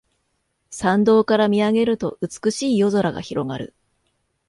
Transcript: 山道から見上げると美しい夜空が広がる